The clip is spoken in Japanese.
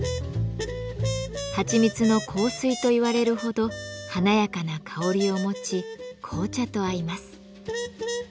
「はちみつの香水」と言われるほど華やかな香りを持ち紅茶と合います。